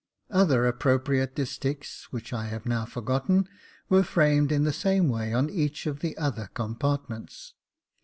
Other appropriate distichs, which I have now forgotten, were framed in the same way on each of the other com partments.